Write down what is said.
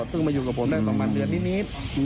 มาอยู่กับผมได้ประมาณเดือนนิด